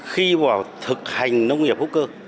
khi vào thực hành nông nghiệp hữu cơ